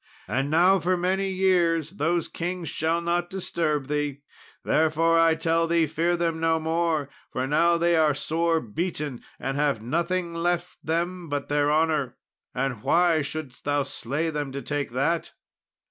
And now for many years those kings shall not disturb thee. Therefore, I tell thee, fear them no more, for now they are sore beaten, and have nothing left them but their honour; and why shouldest thou slay them to take that?"